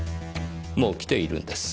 もう来ているんです。